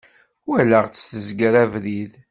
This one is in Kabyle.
Walaɣ-tt tezger abrid.